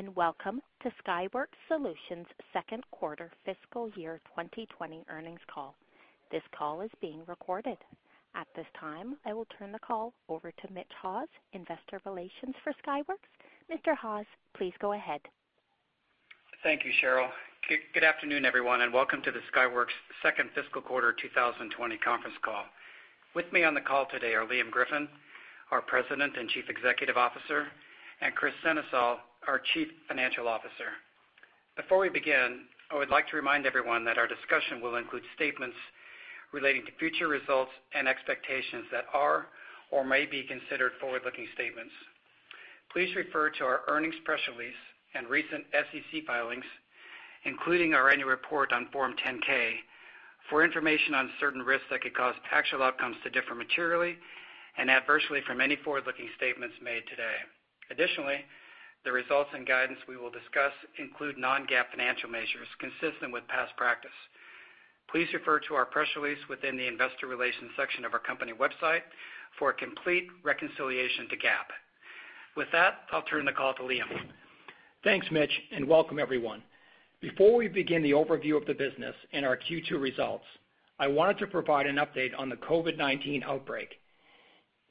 Good afternoon, and welcome to Skyworks Solutions second quarter fiscal year 2020 earnings call. This call is being recorded. At this time, I will turn the call over to Mitch Haws, investor relations for Skyworks. Mr. Haws, please go ahead. Thank you, Cheryl. Good afternoon, everyone, and welcome to the Skyworks second fiscal quarter 2020 conference call. With me on the call today are Liam Griffin, our President and Chief Executive Officer, and Kris Sennesael, our Chief Financial Officer. Before we begin, I would like to remind everyone that our discussion will include statements relating to future results and expectations that are or may be considered forward-looking statements. Please refer to our earnings press release and recent SEC filings, including our annual report on Form 10-K, for information on certain risks that could cause actual outcomes to differ materially and adversely from any forward-looking statements made today. Additionally, the results and guidance we will discuss include non-GAAP financial measures consistent with past practice. Please refer to our press release within the investor relations section of our company website for a complete reconciliation to GAAP. With that, I'll turn the call to Liam Griffin. Thanks, Mitch Haws, and welcome everyone. Before we begin the overview of the business and our Q2 results, I wanted to provide an update on the COVID-19 outbreak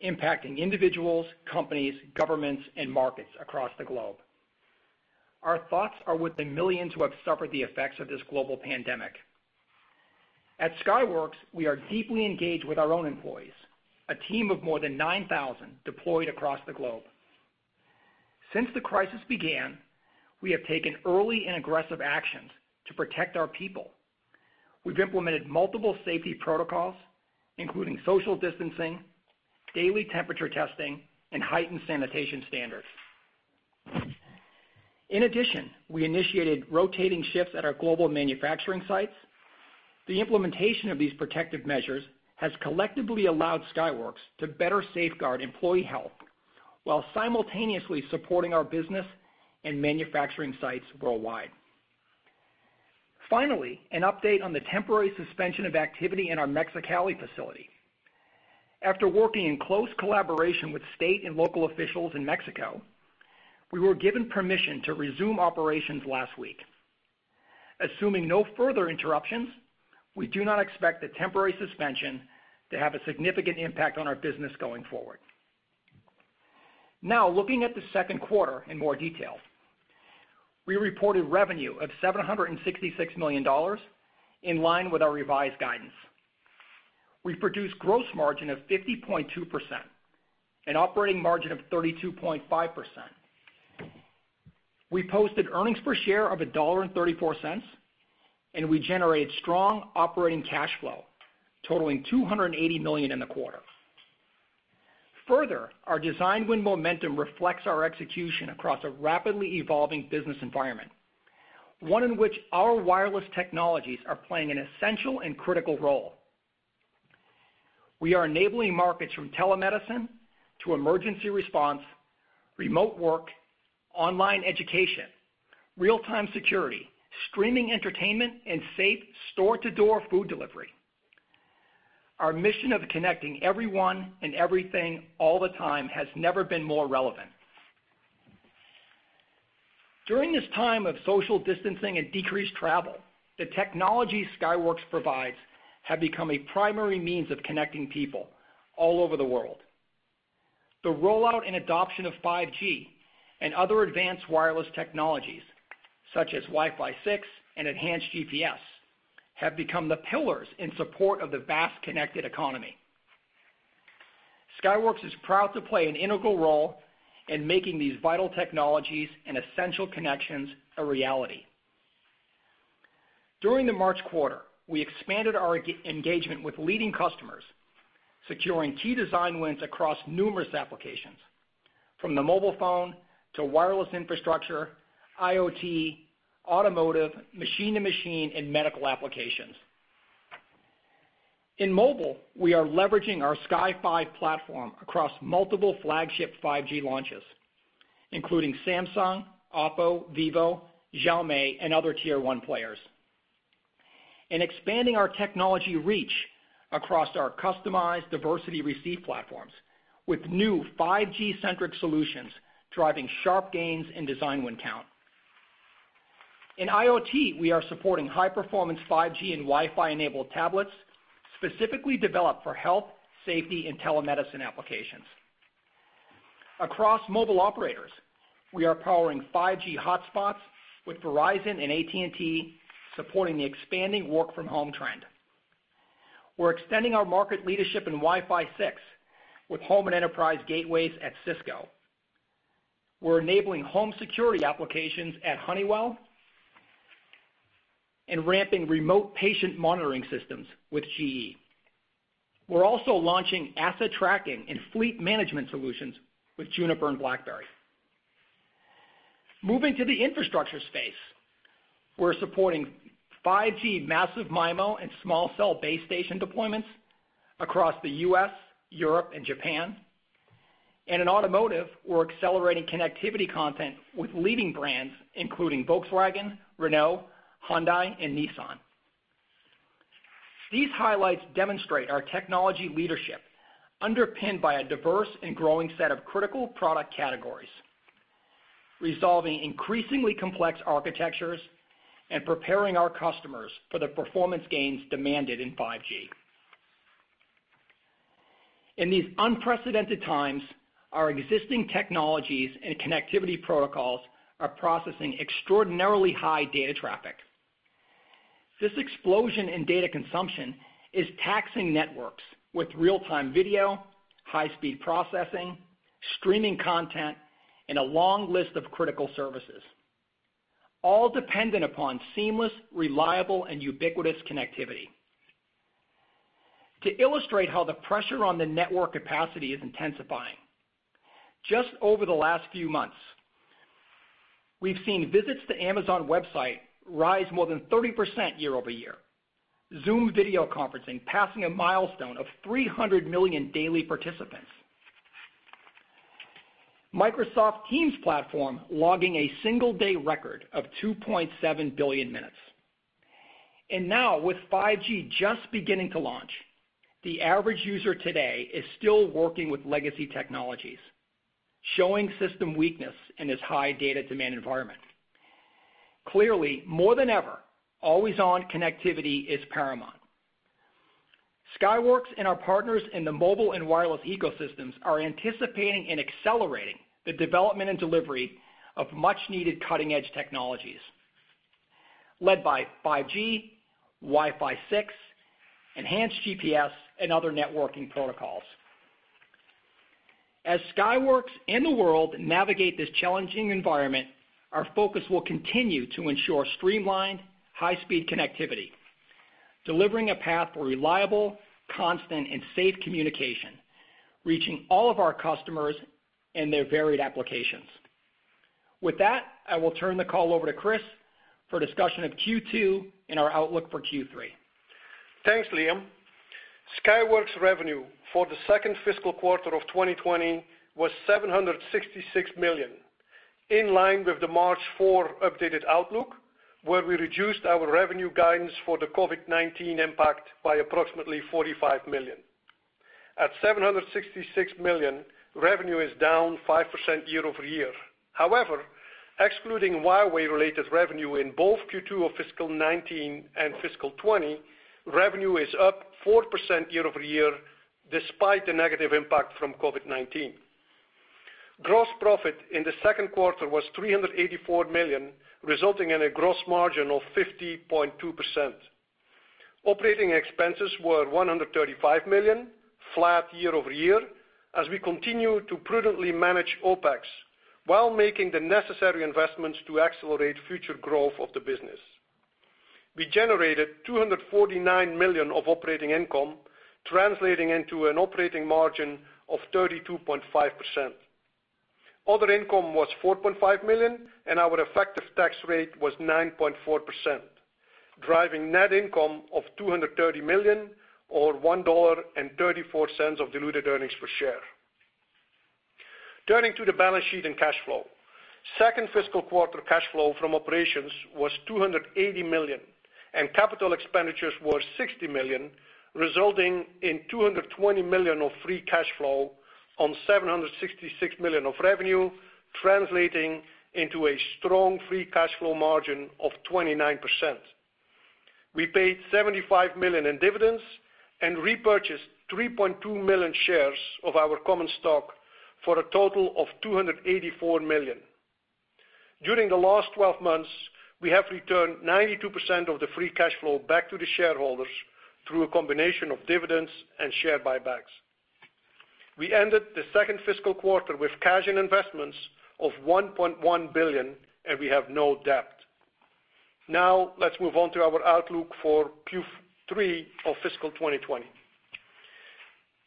impacting individuals, companies, governments, and markets across the globe. Our thoughts are with the millions who have suffered the effects of this global pandemic. At Skyworks, we are deeply engaged with our own employees, a team of more than 9,000 deployed across the globe. Since the crisis began, we have taken early and aggressive actions to protect our people. We've implemented multiple safety protocols, including social distancing, daily temperature testing, and heightened sanitation standards. In addition, we initiated rotating shifts at our global manufacturing sites. The implementation of these protective measures has collectively allowed Skyworks to better safeguard employee health while simultaneously supporting our business and manufacturing sites worldwide. Finally, an update on the temporary suspension of activity in our Mexicali facility. After working in close collaboration with state and local officials in Mexico, we were given permission to resume operations last week. Assuming no further interruptions, we do not expect the temporary suspension to have a significant impact on our business going forward. Looking at the second quarter in more detail. We reported revenue of $766 million, in line with our revised guidance. We produced gross margin of 50.2% and operating margin of 32.5%. We posted earnings per share of $1.34, and we generated strong operating cash flow totaling $280 million in the quarter. Our design win momentum reflects our execution across a rapidly evolving business environment, one in which our wireless technologies are playing an essential and critical role. We are enabling markets from telemedicine to emergency response, remote work, online education, real-time security, streaming entertainment, and safe store-to-door food delivery. Our mission of connecting everyone and everything all the time has never been more relevant. During this time of social distancing and decreased travel, the technologies Skyworks provides have become a primary means of connecting people all over the world. The rollout and adoption of 5G and other advanced wireless technologies, such as Wi-Fi 6 and enhanced GPS, have become the pillars in support of the vast connected economy. Skyworks is proud to play an integral role in making these vital technologies and essential connections a reality. During the March quarter, we expanded our engagement with leading customers, securing key design wins across numerous applications, from the mobile phone to wireless infrastructure, IoT, automotive, machine-to-machine, and medical applications. In mobile, we are leveraging our Sky5 platform across multiple flagship 5G launches, including Samsung, OPPO, Vivo, Xiaomi, and other tier-one players, and expanding our technology reach across our customized diversity receive platforms with new 5G-centric solutions driving sharp gains in design win count. In IoT, we are supporting high-performance 5G and Wi-Fi-enabled tablets specifically developed for health, safety, and telemedicine applications. Across mobile operators, we are powering 5G hotspots with Verizon and AT&T, supporting the expanding work-from-home trend. We're extending our market leadership in Wi-Fi 6 with home and enterprise gateways at Cisco. We're enabling home security applications at Honeywell and ramping remote patient monitoring systems with GE. We're also launching asset tracking and fleet management solutions with Juniper and BlackBerry. Moving to the infrastructure space, we're supporting 5G massive MIMO and small cell base station deployments across the U.S., Europe, and Japan. In automotive, we're accelerating connectivity content with leading brands including Volkswagen, Renault, Hyundai, and Nissan. These highlights demonstrate our technology leadership, underpinned by a diverse and growing set of critical product categories, resolving increasingly complex architectures and preparing our customers for the performance gains demanded in 5G. In these unprecedented times, our existing technologies and connectivity protocols are processing extraordinarily high data traffic. This explosion in data consumption is taxing networks with real-time video, high-speed processing, streaming content, and a long list of critical services, all dependent upon seamless, reliable, and ubiquitous connectivity. To illustrate how the pressure on the network capacity is intensifying, just over the last few months, we've seen visits to Amazon website rise more than 30% year-over-year. Zoom video conferencing passing a milestone of 300 million daily participants. Microsoft Teams platform logging a single-day record of 2.7 billion minutes. Now, with 5G just beginning to launch, the average user today is still working with legacy technologies, showing system weakness in this high data demand environment. Clearly, more than ever, always-on connectivity is paramount. Skyworks and our partners in the mobile and wireless ecosystems are anticipating and accelerating the development and delivery of much-needed cutting-edge technologies led by 5G, Wi-Fi 6, enhanced GPS, and other networking protocols. As Skyworks and the world navigate this challenging environment, our focus will continue to ensure streamlined, high-speed connectivity, delivering a path for reliable, constant, and safe communication, reaching all of our customers in their varied applications. With that, I will turn the call over to Kris Sennesael for a discussion of Q2 and our outlook for Q3. Thanks, Liam Griffin. Skyworks' revenue for the second fiscal quarter of 2020 was $766 million, in line with the March 4 updated outlook, where we reduced our revenue guidance for the COVID-19 impact by approximately $45 million. At $766 million, revenue is down 5% year-over-year. Excluding Huawei-related revenue in both Q2 of fiscal 2019 and fiscal 2020, revenue is up 4% year-over-year despite the negative impact from COVID-19. Gross profit in the second quarter was $384 million, resulting in a gross margin of 50.2%. Operating expenses were $135 million, flat year-over-year, as we continue to prudently manage OpEx while making the necessary investments to accelerate future growth of the business. We generated $249 million of operating income, translating into an operating margin of 32.5%. Other income was $4.5 million, and our effective tax rate was 9.4%, driving net income of $230 million, or $1.34 of diluted earnings per share. Turning to the balance sheet and cash flow. Second fiscal quarter cash flow from operations was $280 million, and capital expenditures were $60 million, resulting in $220 million of free cash flow on $766 million of revenue, translating into a strong free cash flow margin of 29%. We paid $75 million in dividends and repurchased 3.2 million shares of our common stock for a total of $284 million. During the last 12 months, we have returned 92% of the free cash flow back to the shareholders through a combination of dividends and share buybacks. We ended the second fiscal quarter with cash and investments of $1.1 billion, and we have no debt. Now, let's move on to our outlook for Q3 of fiscal 2020.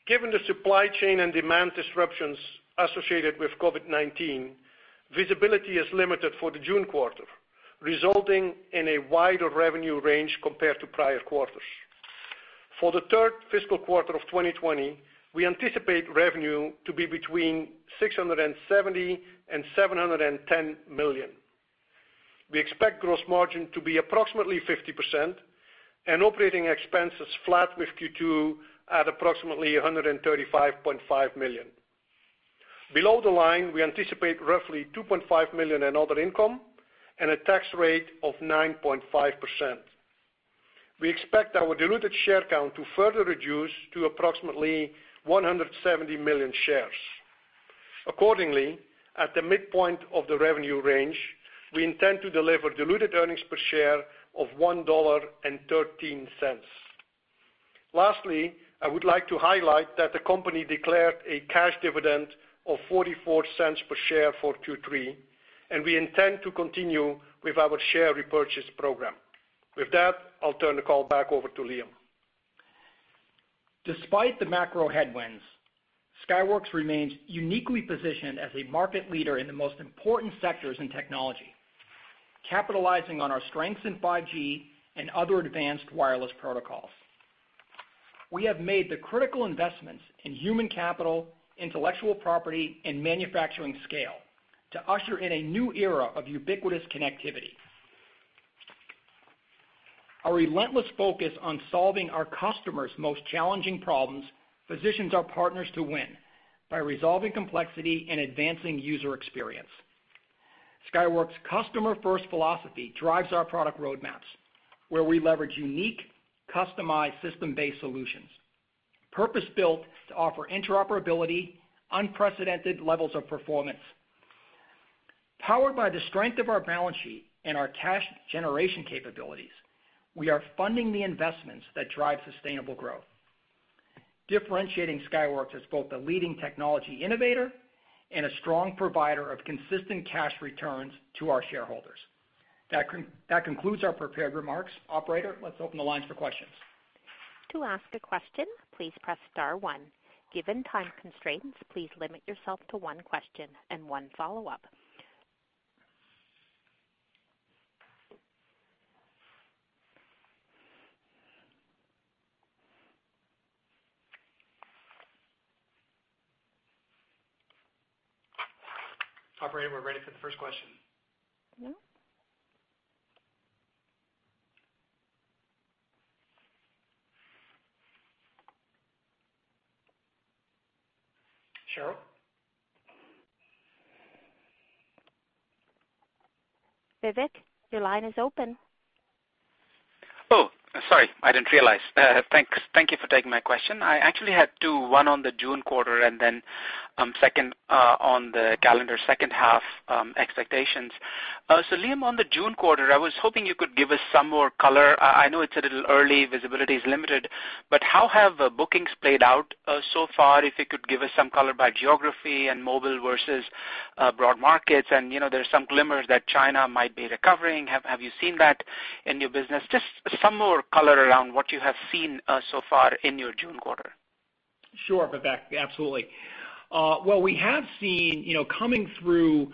Given the supply chain and demand disruptions associated with COVID-19, visibility is limited for the June quarter, resulting in a wider revenue range compared to prior quarters. For the third fiscal quarter of 2020, we anticipate revenue to be between $670 million and $710 million. We expect gross margin to be approximately 50% and operating expenses flat with Q2 at approximately $135.5 million. Below the line, we anticipate roughly $2.5 million in other income and a tax rate of 9.5%. We expect our diluted share count to further reduce to approximately 170 million shares. Accordingly, at the midpoint of the revenue range, we intend to deliver diluted earnings per share of $1.13. Lastly, I would like to highlight that the company declared a cash dividend of $0.44 per share for Q3, and we intend to continue with our share repurchase program. With that, I'll turn the call back over to Liam Griffin. Despite the macro headwinds, Skyworks remains uniquely positioned as a market leader in the most important sectors in technology, capitalizing on our strengths in 5G and other advanced wireless protocols. We have made the critical investments in human capital, intellectual property, and manufacturing scale to usher in a new era of ubiquitous connectivity. Our relentless focus on solving our customers' most challenging problems positions our partners to win by resolving complexity and advancing user experience. Skyworks' customer-first philosophy drives our product roadmaps, where we leverage unique, customized system-based solutions, purpose-built to offer interoperability, unprecedented levels of performance. Powered by the strength of our balance sheet and our cash generation capabilities, we are funding the investments that drive sustainable growth, differentiating Skyworks as both a leading technology innovator and a strong provider of consistent cash returns to our shareholders. That concludes our prepared remarks. Operator, let's open the lines for questions. To ask a question, please press star one. Given time constraints, please limit yourself to one question and one follow-up. Operator, we're ready for the first question. Cheryl? Vivek Arya, your line is open. Oh, sorry. I didn't realize. Thanks. Thank you for taking my question. I actually had two, one on the June quarter, and then second on the calendar second half expectations. Liam Griffin, on the June quarter, I was hoping you could give us some more color. I know it's a little early, visibility is limited, but how have bookings played out so far? If you could give us some color by geography and mobile versus broad markets and there's some glimmers that China might be recovering. Have you seen that in your business? Just some more color around what you have seen so far in your June quarter. Sure, Vivek Arya, absolutely. What we have seen coming through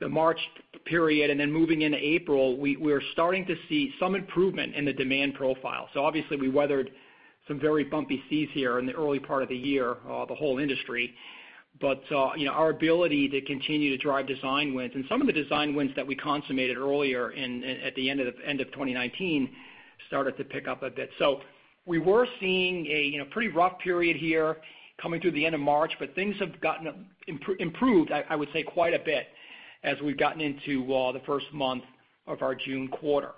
the March period and then moving into April, we're starting to see some improvement in the demand profile. Obviously we weathered some very bumpy seas here in the early part of the year, the whole industry. Our ability to continue to drive design wins and some of the design wins that we consummated earlier at the end of 2019 started to pick up a bit. We were seeing a pretty rough period here coming through the end of March, but things have improved, I would say, quite a bit as we've gotten into the first month of our June quarter.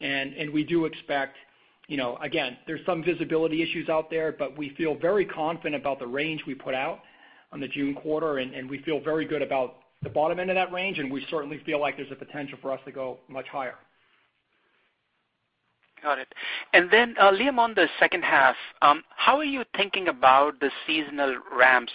We do expect, again, there's some visibility issues out there, but we feel very confident about the range we put out on the June quarter, and we feel very good about the bottom end of that range, and we certainly feel like there's a potential for us to go much higher. Got it. Liam Griffin, on the second half, how are you thinking about the seasonal ramps?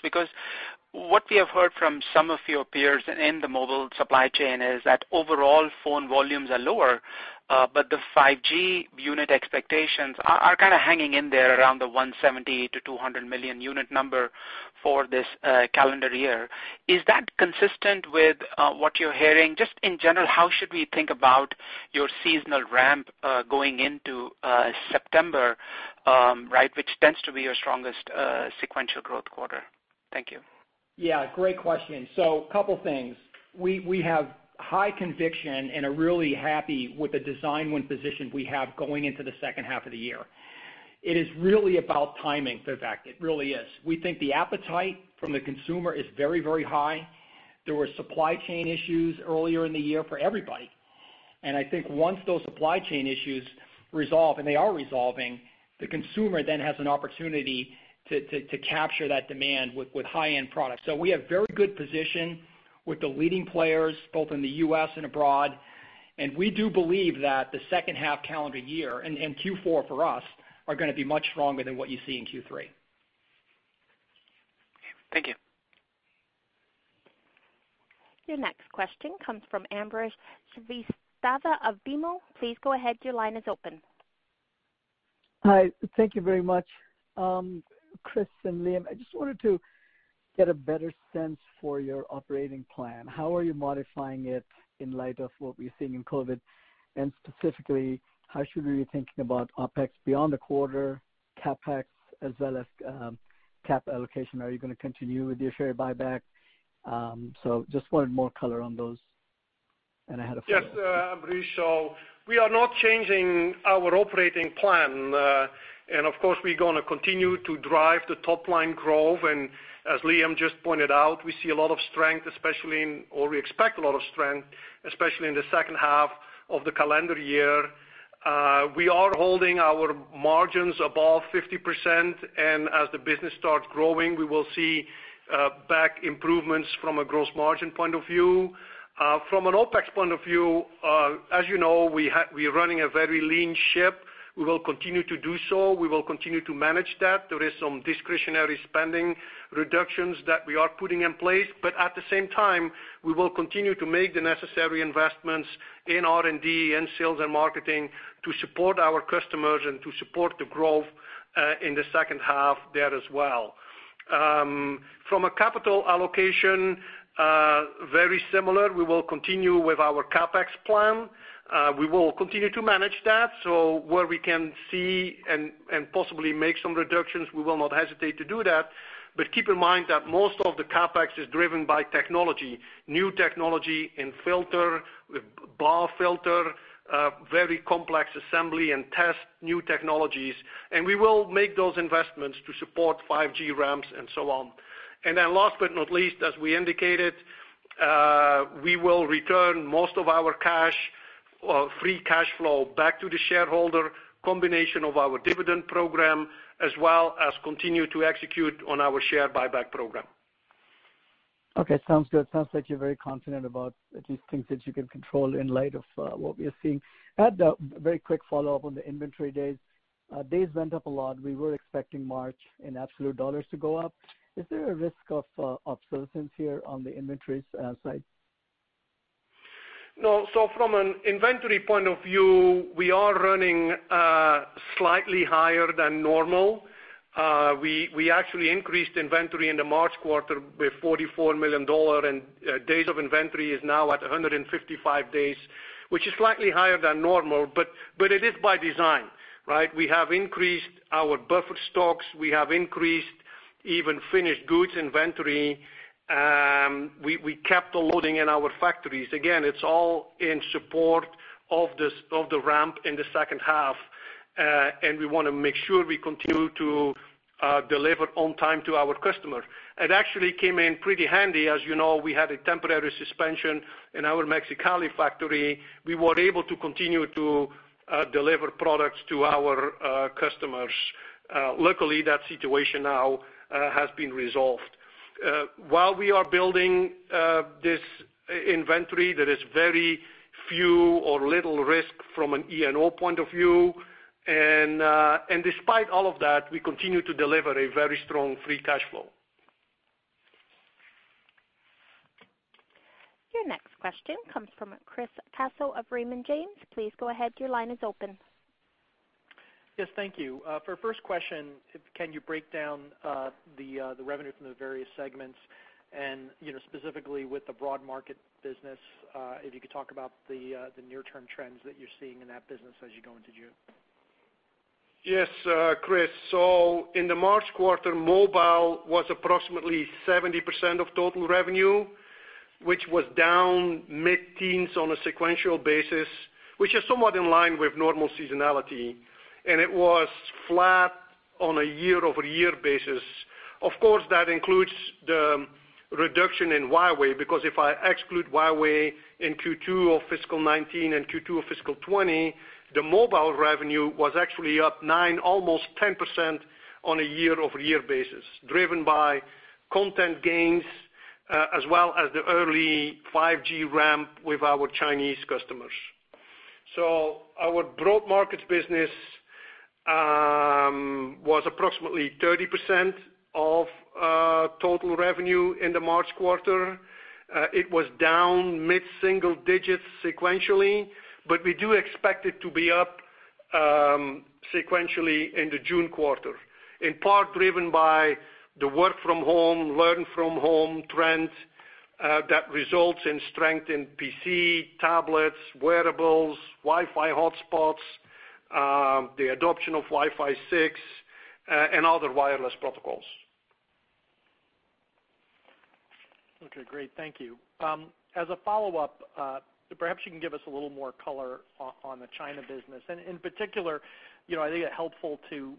What we have heard from some of your peers in the mobile supply chain is that overall phone volumes are lower, but the 5G unit expectations are kind of hanging in there around the 170 million to 200 million unit number for this calendar year. Is that consistent with what you're hearing? Just in general, how should we think about your seasonal ramp going into September, which tends to be your strongest sequential growth quarter? Thank you. Yeah, great question. A couple things. We have high conviction and are really happy with the design win position we have going into the second half of the year. It is really about timing, Vivek Arya. It really is. We think the appetite from the consumer is very, very high. There were supply chain issues earlier in the year for everybody. I think once those supply chain issues resolve, and they are resolving, the consumer then has an opportunity to capture that demand with high-end products. We have very good position with the leading players, both in the U.S. and abroad, we do believe that the second half calendar year and Q4 for us are going to be much stronger than what you see in Q3. Thank you. Your next question comes from Ambrish Srivastava of BMO. Please go ahead. Your line is open. Hi. Thank you very much. Kris Sennesael and Liam Griffin, I just wanted to get a better sense for your operating plan. How are you modifying it in light of what we're seeing in COVID-19? Specifically, how should we be thinking about OpEx beyond the quarter, CapEx, as well as cap allocation? Are you going to continue with your share buyback? Just wanted more color on those. I had a follow-up. Yes, Ambrish Srivastava. We are not changing our operating plan. Of course, we're going to continue to drive the top-line growth. As Liam Griffin just pointed out, we see a lot of strength, especially in, or we expect a lot of strength, especially in the second half of the calendar year. We are holding our margins above 50%. As the business starts growing, we will see back improvements from a gross margin point of view. From an OpEx point of view, as you know, we are running a very lean ship. We will continue to do so. We will continue to manage that. There is some discretionary spending reductions that we are putting in place, but at the same time, we will continue to make the necessary investments in R&D and sales and marketing to support our customers and to support the growth in the second half there as well. From a capital allocation, very similar. We will continue with our CapEx plan. We will continue to manage that. Where we can see and possibly make some reductions, we will not hesitate to do that. Keep in mind that most of the CapEx is driven by technology, new technology in filter, with BAW filter, very complex assembly and test new technologies. We will make those investments to support 5G ramps and so on. Last but not least, as we indicated, we will return most of our free cash flow back to the shareholder, combination of our dividend program, as well as continue to execute on our share buyback program. Okay, sounds good. Sounds like you're very confident about at least things that you can control in light of what we are seeing. I had a very quick follow-up on the inventory days. Days went up a lot. We were expecting March in absolute dollars to go up. Is there a risk of obsolescence here on the inventories side? No. From an inventory point of view, we are running slightly higher than normal. We actually increased inventory in the March quarter with $44 million, and days of inventory is now at 155 days, which is slightly higher than normal, but it is by design, right? We have increased our buffer stocks. We have increased even finished goods inventory. We kept loading in our factories. Again, it's all in support of the ramp in the second half. We want to make sure we continue to deliver on time to our customer. It actually came in pretty handy. As you know, we had a temporary suspension in our Mexicali factory. We were able to continue to deliver products to our customers. Luckily, that situation now has been resolved. While we are building this inventory, there is very few or little risk from an E&O point of view. Despite all of that, we continue to deliver a very strong free cash flow. Your next question comes from Chris Caso of Raymond James. Please go ahead, your line is open. Yes, thank you. For first question, can you break down the revenue from the various segments and specifically with the broad market business, if you could talk about the near-term trends that you're seeing in that business as you go into June? Yes, Chris Caso. In the March quarter, mobile was approximately 70% of total revenue, which was down mid-teens on a sequential basis, which is somewhat in line with normal seasonality. It was flat on a year-over-year basis. Of course, that includes the reduction in Huawei, because if I exclude Huawei in Q2 of fiscal 2019 and Q2 of fiscal 2020, the mobile revenue was actually up 9%, almost 10% on a year-over-year basis, driven by content gains, as well as the early 5G ramp with our Chinese customers. Our broad markets business was approximately 30% of total revenue in the March quarter. It was down mid-single digits sequentially, but we do expect it to be up sequentially in the June quarter, in part driven by the work from home, learn from home trend that results in strength in PC, tablets, wearables, Wi-Fi hotspots, the adoption of Wi-Fi 6, and other wireless protocols. Okay, great. Thank you. As a follow-up, perhaps you can give us a little more color on the China business. In particular, I think it helpful to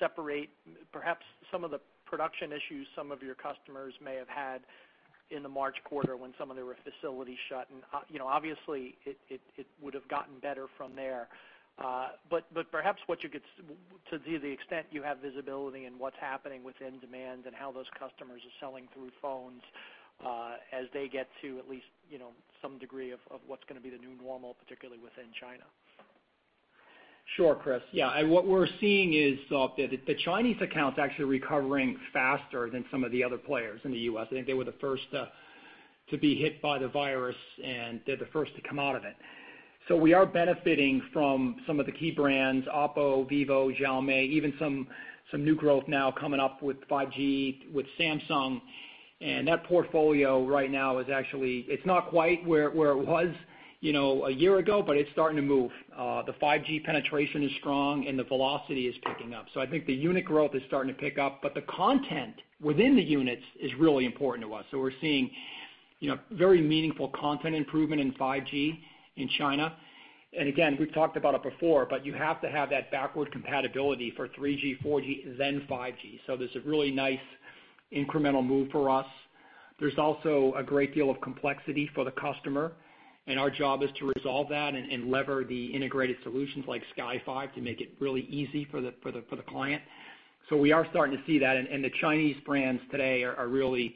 separate perhaps some of the production issues some of your customers may have had in the March quarter when some of their facilities shut, and obviously, it would have gotten better from there. Perhaps to the extent you have visibility in what's happening within demand and how those customers are selling through phones as they get to at least some degree of what's going to be the new normal, particularly within China. Sure, Chris Caso. Yeah. What we're seeing is that the Chinese accounts are actually recovering faster than some of the other players in the U.S. I think they were the first to be hit by the virus, and they're the first to come out of it. We are benefiting from some of the key brands, OPPO, Vivo, Xiaomi, even some new growth now coming up with 5G with Samsung. That portfolio right now it's not quite where it was a year ago, but it's starting to move. The 5G penetration is strong and the velocity is picking up. I think the unit growth is starting to pick up, but the content within the units is really important to us, so we're seeing very meaningful content improvement in 5G in China. Again, we've talked about it before, but you have to have that backward compatibility for 3G, 4G, then 5G. There's a really nice incremental move for us. There's also a great deal of complexity for the customer, and our job is to resolve that and lever the integrated solutions like Sky5 to make it really easy for the client. We are starting to see that, and the Chinese brands today are really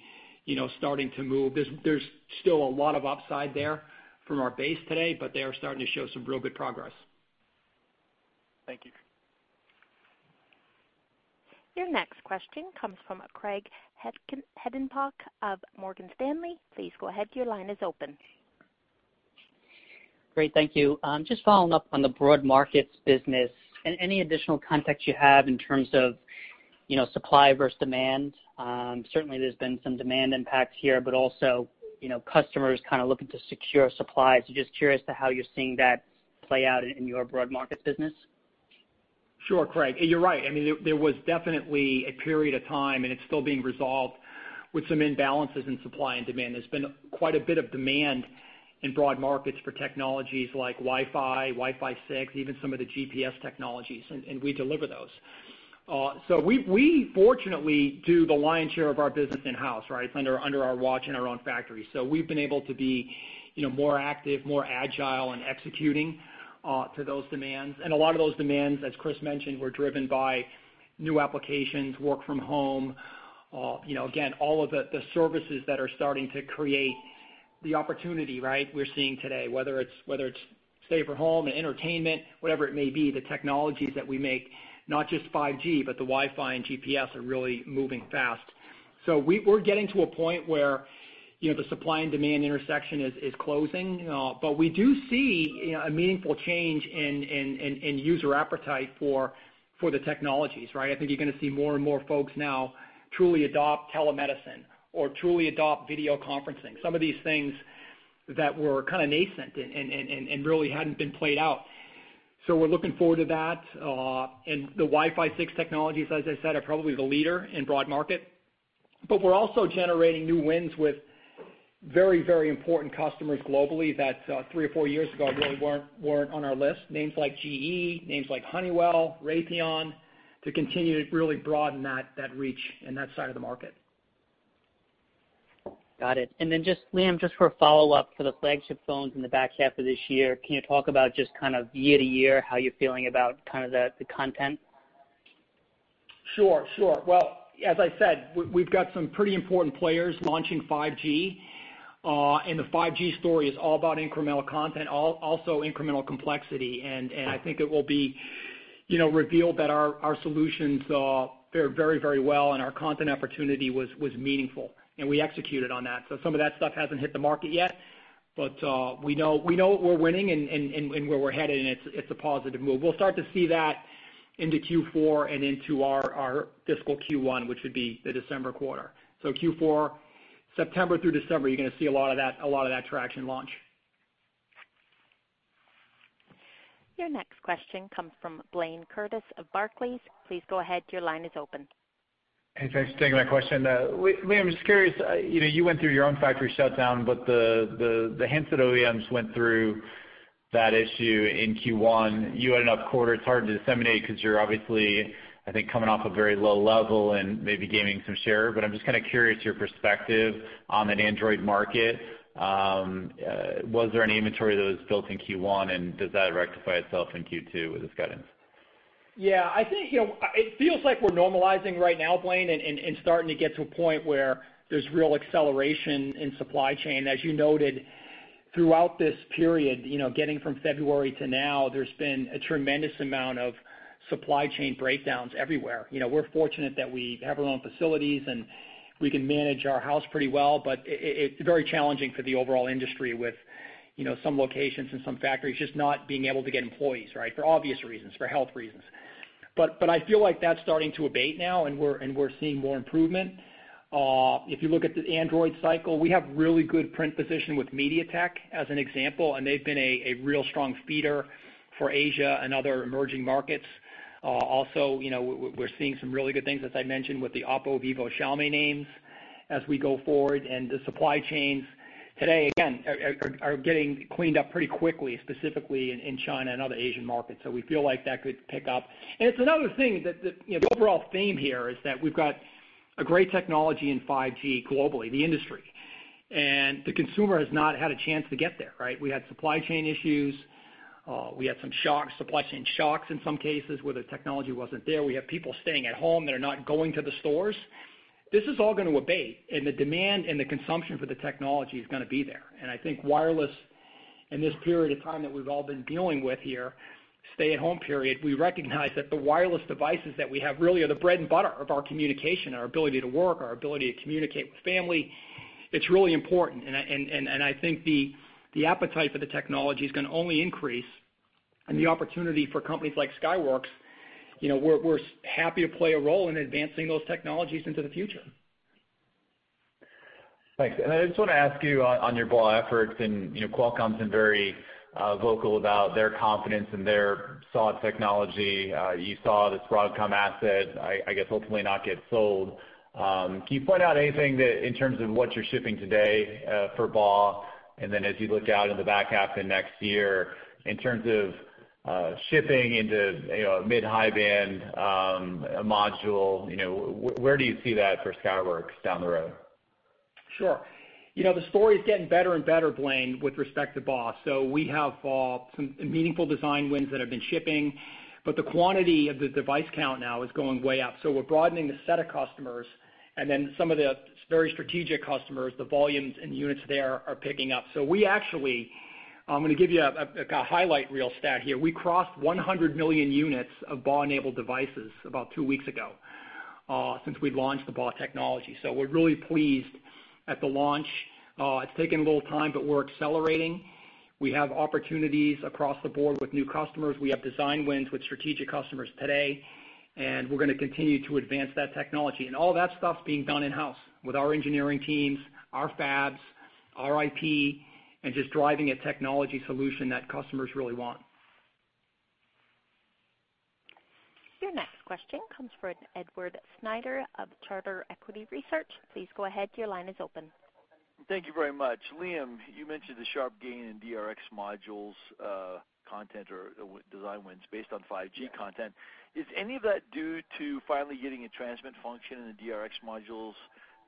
starting to move. There's still a lot of upside there from our base today, but they are starting to show some real good progress. Thank you. Your next question comes from Craig Hettenbach of Morgan Stanley. Please go ahead, your line is open. Great. Thank you. Just following up on the broad markets business and any additional context you have in terms of supply versus demand. Certainly, there's been some demand impacts here, but also customers kind of looking to secure supplies. Just curious to how you're seeing that play out in your broad markets business. Sure, Craig Hettenbach, and you're right. There was definitely a period of time, and it's still being resolved, with some imbalances in supply and demand. There's been quite a bit of demand in broad markets for technologies like Wi-Fi, Wi-Fi 6, even some of the GPS technologies, and we deliver those. We fortunately do the lion's share of our business in-house. It's under our watch, in our own factory. We've been able to be more active, more agile in executing to those demands. A lot of those demands, as Kris Sennesael mentioned, were driven by new applications, work from home, again, all of the services that are starting to create the opportunity we're seeing today, whether it's safer home, entertainment, whatever it may be, the technologies that we make, not just 5G, but the Wi-Fi and GPS are really moving fast. We're getting to a point where the supply and demand intersection is closing, but we do see a meaningful change in user appetite for the technologies. I think you're going to see more and more folks now truly adopt telemedicine or truly adopt video conferencing. Some of these things that were kind of nascent and really hadn't been played out. We're looking forward to that. The Wi-Fi 6 technologies, as I said, are probably the leader in broad market. We're also generating new wins with very important customers globally that, three or four years ago, really weren't on our list, names like GE, names like Honeywell, Raytheon, to continue to really broaden that reach in that side of the market. Got it. Liam Griffin, just for a follow-up for the flagship phones in the back half of this year, can you talk about just kind of year-to-year, how you're feeling about the content? Sure. Well, as I said, we've got some pretty important players launching 5G. The 5G story is all about incremental content, also incremental complexity. I think it will be revealed that our solutions fared very well and our content opportunity was meaningful, and we executed on that. Some of that stuff hasn't hit the market yet, but we know what we're winning and where we're headed, and it's a positive move. We'll start to see that into Q4 and into our fiscal Q1, which would be the December quarter. Q4, September through December, you're going to see a lot of that traction launch. Your next question comes from Blayne Curtis of Barclays. Please go ahead. Your line is open. Thanks for taking my question. Liam Griffin, just curious, you went through your own factory shutdown, but the handset OEMs went through that issue in Q1. You had an up quarter. It is hard to disseminate because you are obviously, I think, coming off a very low level and maybe gaining some share, but I am just kind of curious your perspective on that Android market. Was there any inventory that was built in Q1, and does that rectify itself in Q2 with this guidance? Yeah, I think it feels like we're normalizing right now, Blayne Curtis, and starting to get to a point where there's real acceleration in supply chain. As you noted, throughout this period, getting from February to now, there's been a tremendous amount of supply chain breakdowns everywhere. We're fortunate that we have our own facilities, and we can manage our house pretty well, but it's very challenging for the overall industry with some locations and some factories just not being able to get employees for obvious reasons, for health reasons. I feel like that's starting to abate now, and we're seeing more improvement. If you look at the Android cycle, we have really good print position with MediaTek as an example, and they've been a real strong feeder for Asia and other emerging markets. Also, we're seeing some really good things, as I mentioned, with the OPPO, Vivo, Xiaomi names as we go forward, and the supply chains today, again, are getting cleaned up pretty quickly, specifically in China and other Asian markets. We feel like that could pick up. It's another thing that the overall theme here is that we've got a great technology in 5G globally, the industry, and the consumer has not had a chance to get there. We had supply chain issues. We had some supply chain shocks in some cases where the technology wasn't there. We have people staying at home that are not going to the stores. This is all going to abate, and the demand and the consumption for the technology is going to be there. I think wireless in this period of time that we've all been dealing with here, stay-at-home period, we recognize that the wireless devices that we have really are the bread and butter of our communication, our ability to work, our ability to communicate with family. It's really important, and I think the appetite for the technology is going to only increase, and the opportunity for companies like Skyworks, we're happy to play a role in advancing those technologies into the future. Thanks. I just want to ask you on your BAW efforts. Qualcomm's been very vocal about their confidence in their SAW technology. You saw this Broadcom asset, I guess, hopefully not get sold. Can you point out anything that in terms of what you're shipping today for BAW, and then as you look out in the back half and next year, in terms of shipping into mid-high band module, where do you see that for Skyworks down the road? Sure. The story's getting better and better, Blayne Curtis, with respect to BAW. We have some meaningful design wins that have been shipping, but the quantity of the device count now is going way up. We're broadening the set of customers, and then some of the very strategic customers, the volumes and units there are picking up. We actually, I'm going to give you a highlight reel stat here. We crossed 100 million units of BAW-enabled devices about two weeks ago since we've launched the BAW technology. We're really pleased at the launch. It's taken a little time, but we're accelerating. We have opportunities across the board with new customers. We have design wins with strategic customers today, and we're going to continue to advance that technology. All that stuff's being done in-house with our engineering teams, our fabs, our IP, and just driving a technology solution that customers really want. Your next question comes from Edward Snyder of Charter Equity Research. Please go ahead, your line is open. Thank you very much. Liam Griffin, you mentioned the sharp gain in DRX modules content or design wins based on 5G content. Is any of that due to finally getting a transmit function in the DRX modules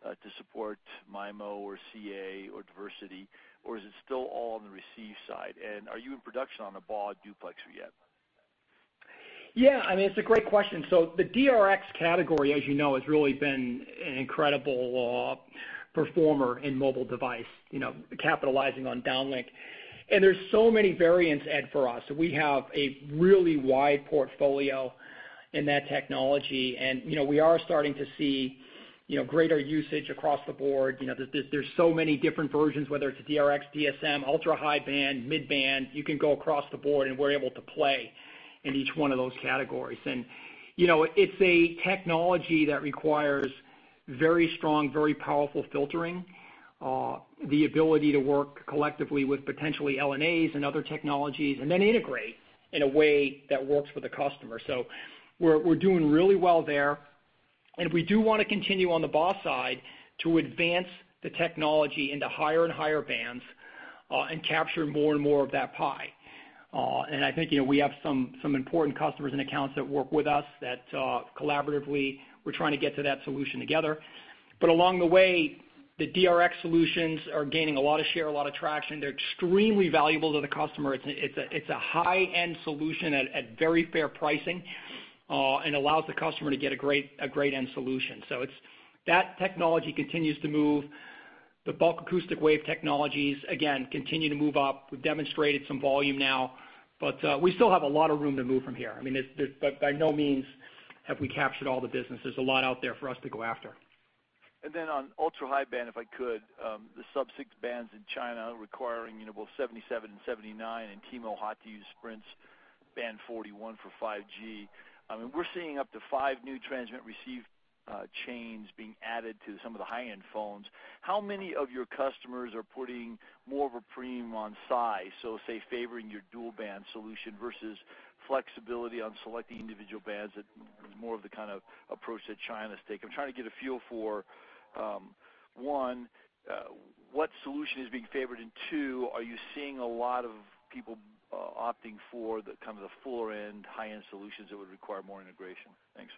to support MIMO or CA or diversity, or is it still all on the receive side? Are you in production on a BAW duplexer yet? Yeah, it's a great question. The DRX category, as you know, has really been an incredible performer in mobile device, capitalizing on downlink. There's so many variants, Edward Snyder, for us. We have a really wide portfolio in that technology, and we are starting to see greater usage across the board. There's so many different versions, whether it's a DRX, DSM, ultra-high band, mid-band, you can go across the board and we're able to play in each one of those categories. It's a technology that requires very strong, very powerful filtering, the ability to work collectively with potentially LNAs and other technologies, and then integrate in a way that works for the customer. We're doing really well there, and we do want to continue on the BAW side to advance the technology into higher and higher bands and capture more and more of that pie. I think, we have some important customers and accounts that work with us that collaboratively, we're trying to get to that solution together. Along the way, the DRX solutions are gaining a lot of share, a lot of traction. They're extremely valuable to the customer. It's a high-end solution at very fair pricing, and allows the customer to get a great end solution. That technology continues to move. The bulk acoustic wave technologies, again, continue to move up. We've demonstrated some volume now, but we still have a lot of room to move from here. By no means have we captured all the business. There's a lot out there for us to go after. On ultra-high band, if I could, the sub-6 bands in China requiring both N77 and N79 and T-Mobile opt to use Sprint's band 41 for 5G. We're seeing up to five new transmit/receive chains being added to some of the high-end phones. How many of your customers are putting more of a premium on size? Say favoring your dual-band solution versus flexibility on selecting individual bands that is more of the kind of approach that China's taking. I'm trying to get a feel for, one, what solution is being favored, and two, are you seeing a lot of people opting for the kind of the fuller end high-end solutions that would require more integration? Thanks.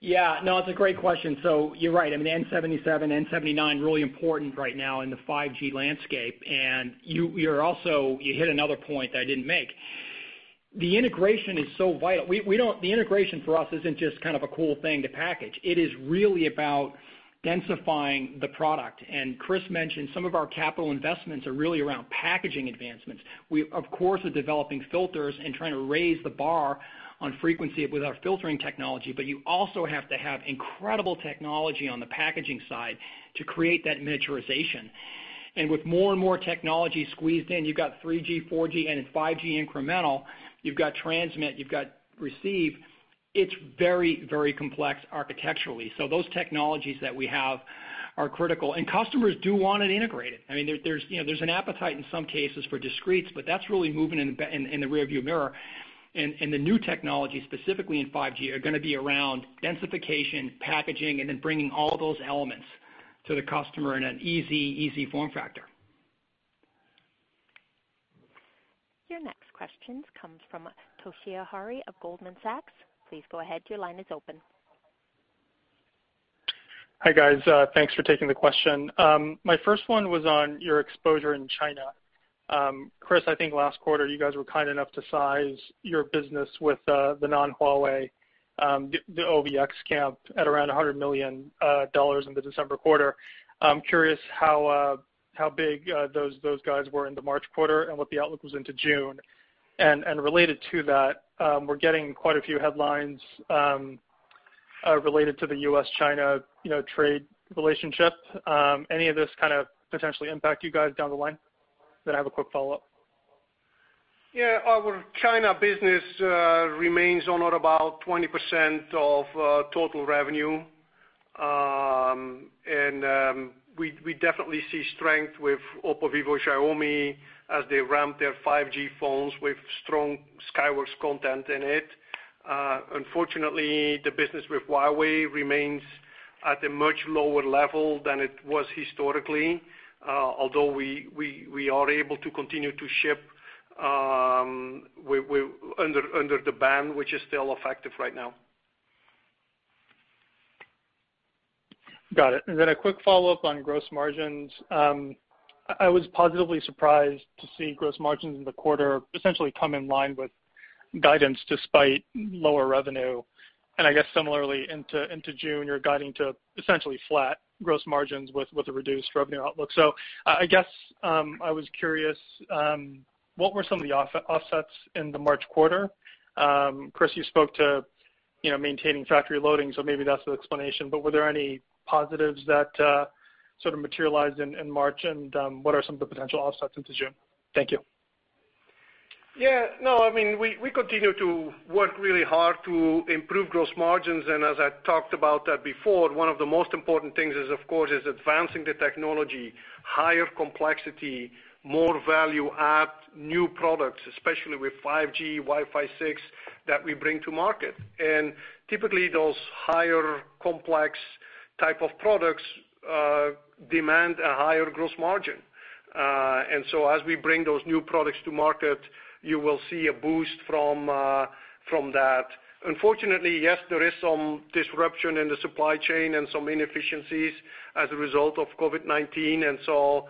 Yeah, no, it's a great question. You're right. N77, N79, really important right now in the 5G landscape. You hit another point that I didn't make. The integration is so vital. The integration for us isn't just kind of a cool thing to package. It is really about densifying the product. Kris Sennesael mentioned some of our capital investments are really around packaging advancements. We, of course, are developing filters and trying to raise the bar on frequency with our filtering technology. You also have to have incredible technology on the packaging side to create that miniaturization. With more and more technology squeezed in, you've got 3G, 4G, and in 5G incremental, you've got transmit, you've got receive. It's very, very complex architecturally. Those technologies that we have are critical, and customers do want it integrated. There's an appetite in some cases for discretes, but that's really moving in the rear view mirror. The new technology, specifically in 5G, are going to be around densification, packaging, and then bringing all those elements to the customer in an easy form factor. Your next question comes from Toshiya Hari of Goldman Sachs. Please go ahead, your line is open. Hi, guys. Thanks for taking the question. My first one was on your exposure in China. Kris Sennesael, I think last quarter, you guys were kind enough to size your business with the non-Huawei, the OVX camp, at around $100 million in the December quarter. I'm curious how big those guys were in the March quarter and what the outlook was into June. Related to that, we're getting quite a few headlines related to the U.S.-China trade relationship. Any of this kind of potentially impact you guys down the line? I have a quick follow-up. Yeah, our China business remains on about 20% of total revenue. We definitely see strength with OPPO, Vivo, Xiaomi as they ramp their 5G phones with strong Skyworks content in it. Unfortunately, the business with Huawei remains at a much lower level than it was historically, although we are able to continue to ship under the ban, which is still effective right now. Got it. A quick follow-up on gross margins. I was positively surprised to see gross margins in the quarter essentially come in line with guidance despite lower revenue. I guess similarly into June, you're guiding to essentially flat gross margins with a reduced revenue outlook. I guess, I was curious, what were some of the offsets in the March quarter? Kris Sennesael, you spoke to maintaining factory loading, so maybe that's the explanation, but were there any positives that sort of materialized in March? What are some of the potential offsets into June? Thank you. Yeah, no, we continue to work really hard to improve gross margins. As I talked about that before, one of the most important things is, of course, is advancing the technology, higher complexity, more value-add, new products, especially with 5G, Wi-Fi 6, that we bring to market. Typically those higher complex type of products demand a higher gross margin. As we bring those new products to market, you will see a boost from that. Unfortunately, yes, there is some disruption in the supply chain and some inefficiencies as a result of COVID-19, and so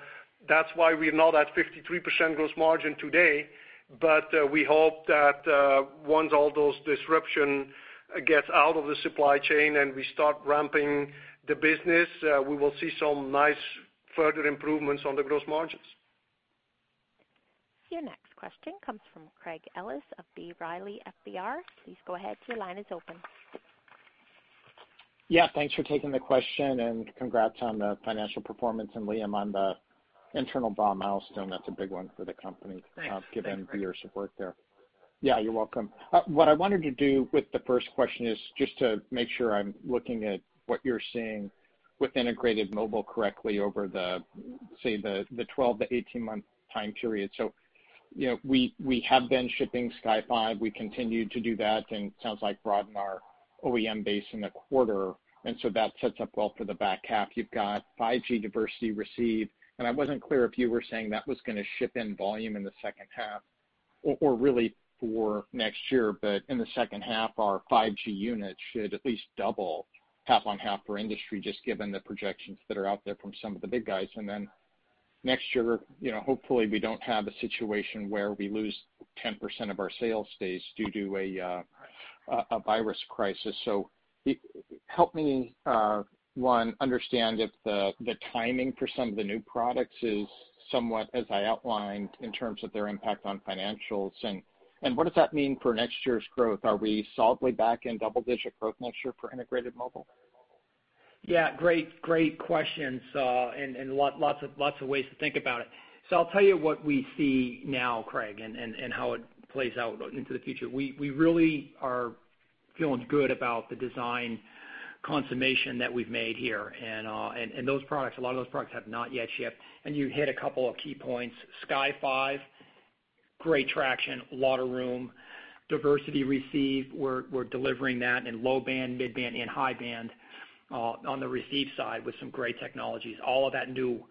that's why we're not at 53% gross margin today. We hope that once all those disruption gets out of the supply chain and we start ramping the business, we will see some nice further improvements on the gross margins. Your next question comes from Craig Ellis of B. Riley FBR. Please go ahead. Your line is open. Yeah. Thanks for taking the question and congrats on the financial performance and Liam Griffin on the internal milestone. That's a big one for the company. Thanks given your support there. Yeah, you're welcome. What I wanted to do with the first question is just to make sure I'm looking at what you're seeing with integrated mobile correctly over the, say, the 12-18 month time period. We have been shipping Sky5. We continued to do that and sounds like broaden our OEM base in the quarter, that sets up well for the back half. You've got 5G diversity receive, I wasn't clear if you were saying that was going to ship in volume in the second half or really for next year. In the second half, our 5G units should at least double half on half per industry, just given the projections that are out there from some of the big guys. Next year, hopefully we don't have a situation where we lose 10% of our sales base due to a virus crisis. Help me, one, understand if the timing for some of the new products is somewhat as I outlined in terms of their impact on financials, and what does that mean for next year's growth? Are we solidly back in double-digit growth next year for integrated mobile? Yeah, great questions, lots of ways to think about it. I'll tell you what we see now, Craig Ellis, how it plays out into the future. We really are feeling good about the design consummation that we've made here those products, a lot of those products have not yet shipped, you hit a couple of key points. Sky5, great traction, a lot of room. Diversity receive, we're delivering that in low band, mid band, high band, on the receive side with some great technologies. All of that new.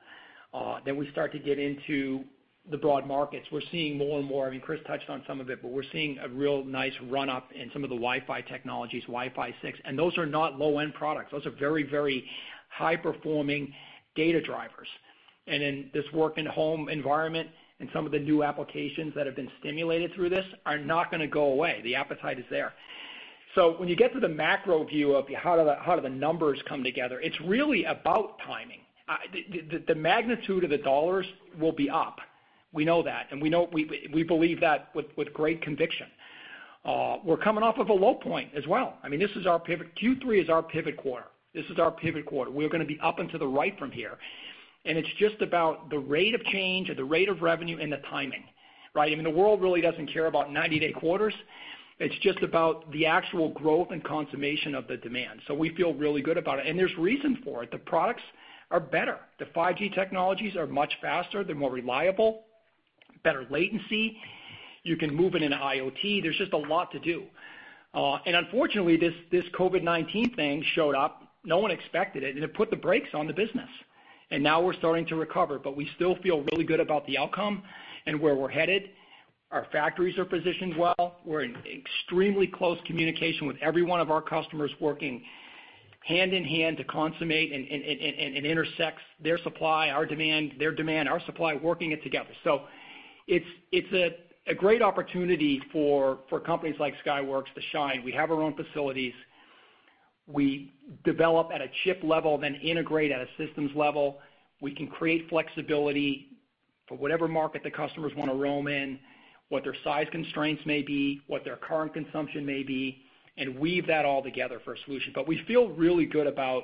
We start to get into the broad markets. We're seeing more and more, Chris Caso touched on some of it, we're seeing a real nice run-up in some of the Wi-Fi technologies, Wi-Fi 6, those are not low-end products. Those are very high-performing data drivers. In this work-at-home environment and some of the new applications that have been stimulated through this are not going to go away. The appetite is there. When you get to the macro view of how do the numbers come together, it's really about timing. The magnitude of the dollars will be up. We know that, and we believe that with great conviction. We're coming off of a low point as well. Q3 is our pivot quarter. This is our pivot quarter. We're going to be up and to the right from here, and it's just about the rate of change or the rate of revenue and the timing, right? The world really doesn't care about 90-day quarters. It's just about the actual growth and consummation of the demand. We feel really good about it. There's reason for it. The products are better. The 5G technologies are much faster. They're more reliable, better latency. You can move it into IoT. There's just a lot to do. Unfortunately, this COVID-19 thing showed up, no one expected it, and it put the brakes on the business. Now we're starting to recover, but we still feel really good about the outcome and where we're headed. Our factories are positioned well. We're in extremely close communication with every one of our customers, working hand in hand to consummate and intersect their supply, our demand, their demand, our supply, working it together. It's a great opportunity for companies like Skyworks to shine. We have our own facilities. We develop at a chip level, then integrate at a systems level. We can create flexibility for whatever market the customers want to roam in, what their size constraints may be, what their current consumption may be, and weave that all together for a solution. We feel really good about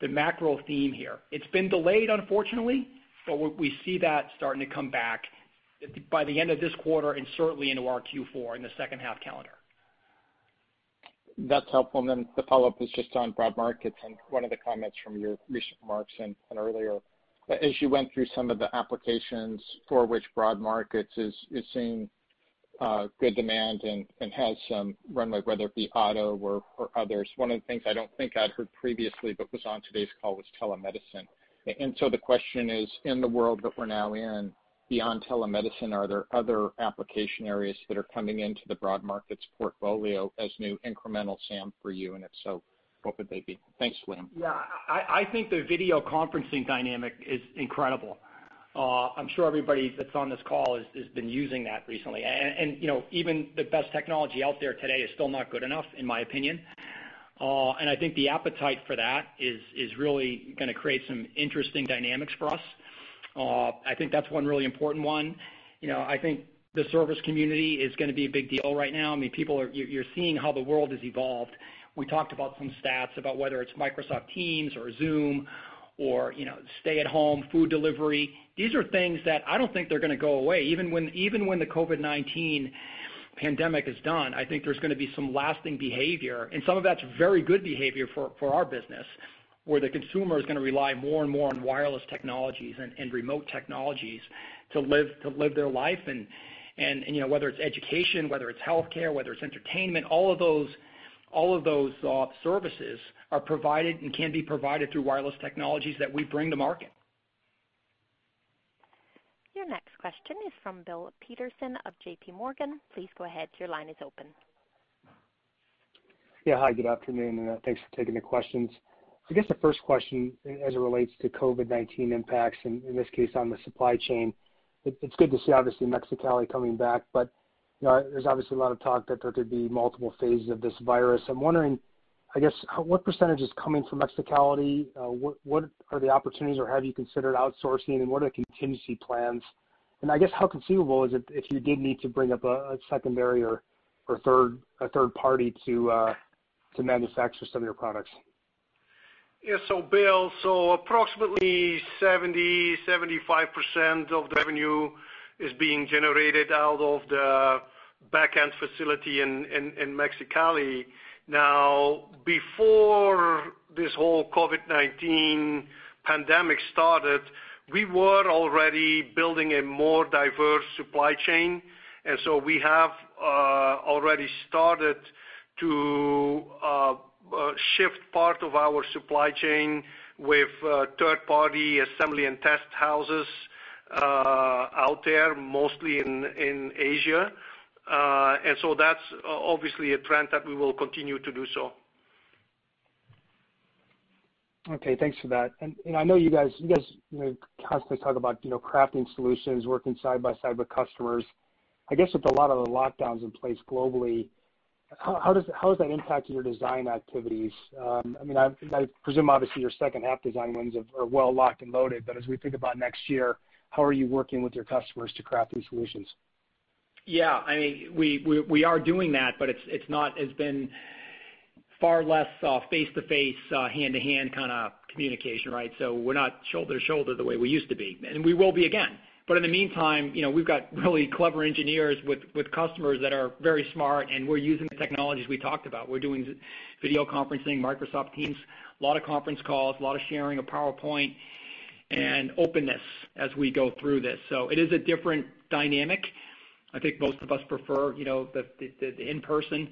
the macro theme here. It's been delayed, unfortunately, but we see that starting to come back by the end of this quarter and certainly into our Q4 in the second half calendar. That's helpful, and then the follow-up is just on broad markets and one of the comments from your recent remarks and earlier. As you went through some of the applications for which broad markets is seeing good demand and has some runway, whether it be auto or others. One of the things I don't think I'd heard previously but was on today's call was telemedicine. The question is, in the world that we're now in, beyond telemedicine, are there other application areas that are coming into the broad markets portfolio as new incremental SAM for you? If so, what would they be? Thanks, Liam Griffin. Yeah. I think the video conferencing dynamic is incredible. I'm sure everybody that's on this call has been using that recently. Even the best technology out there today is still not good enough, in my opinion. I think the appetite for that is really going to create some interesting dynamics for us. I think that's one really important one. I think the service community is going to be a big deal right now. You're seeing how the world has evolved. We talked about some stats about whether it's Microsoft Teams or Zoom, or stay-at-home food delivery. These are things that I don't think they're going to go away. Even when the COVID-19 pandemic is done, I think there's going to be some lasting behavior. Some of that's very good behavior for our business, where the consumer is going to rely more and more on wireless technologies and remote technologies to live their life. Whether it's education, whether it's healthcare, whether it's entertainment, all of those services are provided and can be provided through wireless technologies that we bring to market. Your next question is from Bill Peterson of JPMorgan. Please go ahead. Your line is open. Yeah. Hi, good afternoon, and thanks for taking the questions. I guess the first question as it relates to COVID-19 impacts, in this case, on the supply chain. It's good to see, obviously, Mexicali coming back, there's obviously a lot of talk that there could be multiple phases of this virus. I'm wondering, I guess, what percentage is coming from Mexicali? What are the opportunities, or have you considered outsourcing, and what are the contingency plans? I guess how conceivable is it if you did need to bring up a secondary or a third party to manufacture some of your products? Yeah. Bill Peterson, approximately 70%-75% of the revenue is being generated out of the back-end facility in Mexicali. Now, before this whole COVID-19 pandemic started, we were already building a more diverse supply chain. We have already started to shift part of our supply chain with third-party assembly and test houses out there, mostly in Asia. That's obviously a trend that we will continue to do so. Okay, thanks for that. I know you guys constantly talk about crafting solutions, working side by side with customers. I guess with a lot of the lockdowns in place globally, how has that impacted your design activities? I presume obviously your second half design wins are well locked and loaded, but as we think about next year, how are you working with your customers to craft these solutions? We are doing that. It's been far less face-to-face, hand-to-hand kind of communication, right? We're not shoulder-to-shoulder the way we used to be. We will be again. In the meantime, we've got really clever engineers with customers that are very smart, and we're using the technologies we talked about. We're doing video conferencing, Microsoft Teams, a lot of conference calls, a lot of sharing of PowerPoint, and openness as we go through this. It is a different dynamic. I think most of us prefer the in-person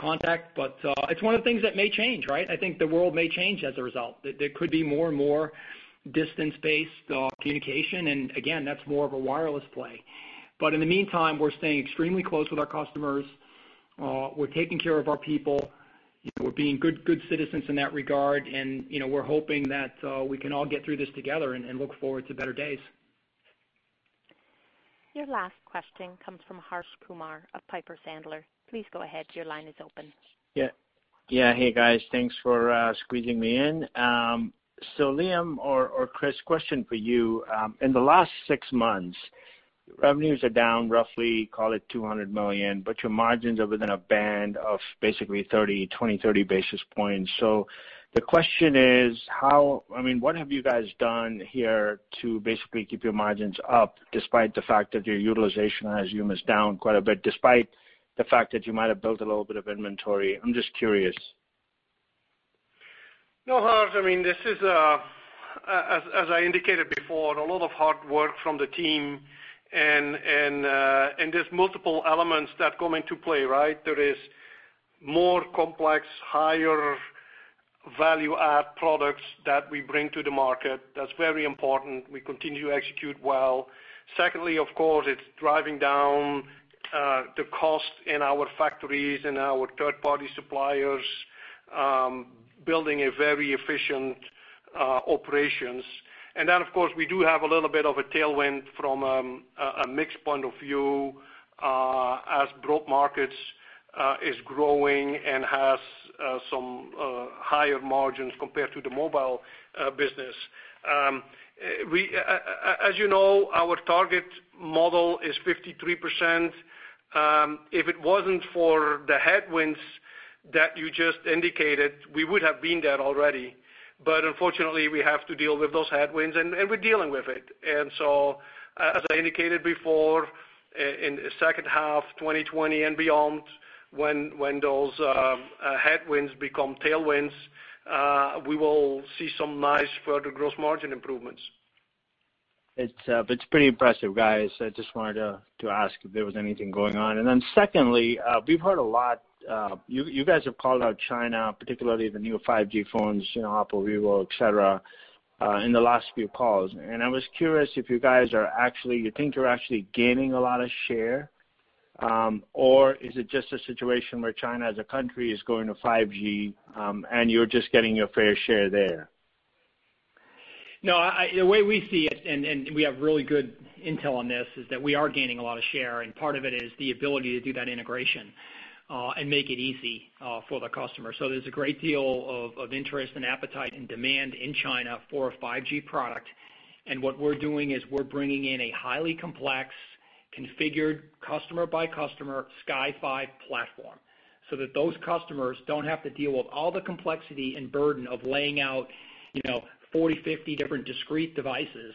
contact. It's one of the things that may change, right? I think the world may change as a result. There could be more and more distance-based communication. Again, that's more of a wireless play. In the meantime, we're staying extremely close with our customers. We're taking care of our people. We're being good citizens in that regard, and we're hoping that we can all get through this together and look forward to better days. Your last question comes from Harsh Kumar of Piper Sandler. Please go ahead. Your line is open. Yeah. Hey, guys. Thanks for squeezing me in. Liam Griffin or Kris Sennesael, question for you. In the last six months, revenues are down roughly, call it $200 million, but your margins are within a band of basically 20, 30 basis points. The question is, what have you guys done here to basically keep your margins up despite the fact that your utilization, I assume, is down quite a bit, despite the fact that you might have built a little bit of inventory? I'm just curious. No, Harsh Kumar, as I indicated before, a lot of hard work from the team, and there's multiple elements that come into play, right? There is more complex, higher value-add products that we bring to the market. That's very important. We continue to execute well. Secondly, of course, it's driving down the cost in our factories and our third-party suppliers, building a very efficient operations. Of course, we do have a little bit of a tailwind from a mix point of view as broad markets is growing and has some higher margins compared to the mobile business. As you know, our target model is 53%. If it wasn't for the headwinds that you just indicated, we would have been there already. Unfortunately, we have to deal with those headwinds, and we're dealing with it. As I indicated before, in the second half 2020 and beyond, when those headwinds become tailwinds, we will see some nice further gross margin improvements. It's pretty impressive, guys. I just wanted to ask if there was anything going on. Secondly, we've heard a lot. You guys have called out China, particularly the new 5G phones, OPPO, Vivo, et cetera, in the last few calls. I was curious if you guys, you think you're actually gaining a lot of share? Is it just a situation where China as a country is going to 5G, and you're just getting your fair share there? No, the way we see it, and we have really good intel on this, is that we are gaining a lot of share, and part of it is the ability to do that integration and make it easy for the customer. There's a great deal of interest and appetite and demand in China for a 5G product. What we're doing is we're bringing in a highly complex, configured customer by customer Sky5 platform, so that those customers don't have to deal with all the complexity and burden of laying out 40, 50 different discrete devices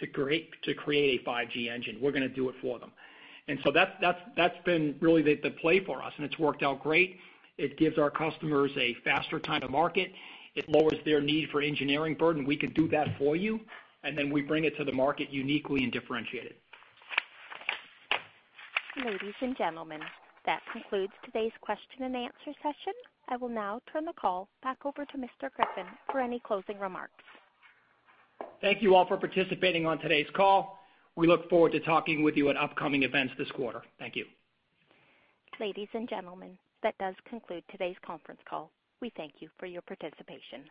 to create a 5G engine. We're going to do it for them. That's been really the play for us, and it's worked out great. It gives our customers a faster time to market. It lowers their need for engineering burden. We can do that for you, and then we bring it to the market uniquely and differentiate it. Ladies and gentlemen, that concludes today's question and answer session. I will now turn the call back over to Mr. Liam Griffin for any closing remarks. Thank you all for participating on today's call. We look forward to talking with you at upcoming events this quarter. Thank you. Ladies and gentlemen, that does conclude today's conference call. We thank you for your participation.